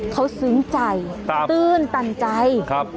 เขาซึ้งใจตื่นตันใจ